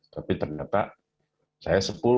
tapi ternyata saya sepuluh